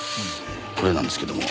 これなんですけども。